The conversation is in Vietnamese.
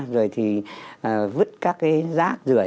rồi thì vứt các cái rác rửa